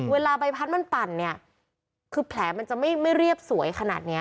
เวลาใบพัดมันปั่นเนี่ยคือแผลมันจะไม่เรียบสวยขนาดนี้